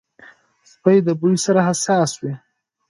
سپي د بوی سره حساس وي.